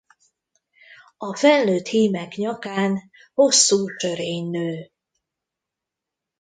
A felnőtt hímek nyakán hosszú sörény nő.